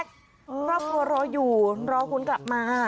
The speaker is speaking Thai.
เพราะพวกเราอยู่รอคุณกลับมา